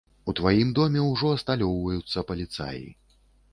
У тваім доме ўжо асталёўваюцца паліцаі.